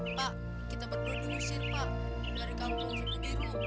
bapak kita berdua diusir pak dari kampung subugero